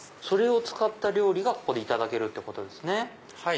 それを使った料理がここでいただけるってことですね。